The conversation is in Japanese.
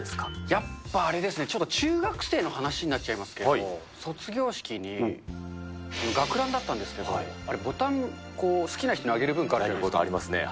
やっぱあれですね、ちょっと中学生の話になっちゃいますけれども、卒業式に学ランだったんですけど、あれ、ぼたんこう、好きな人にあげる文化あるじゃなありますね。